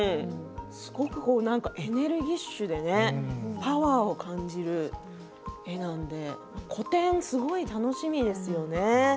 すごくエネルギッシュでねパワーを感じる絵なので個展すごく楽しみですよね。